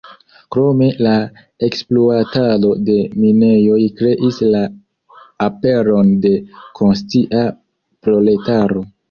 Krome la ekspluatado de minejoj kreis la aperon de konscia proletaro.